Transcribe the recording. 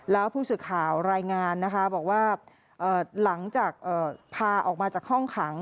แล้วผู้สื่อข่าวรายงานนะคะบอกว่าหลังจากพาออกมาจากห้องขัง